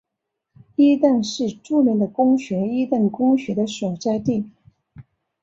伊顿是著名的公学伊顿公学的所在地。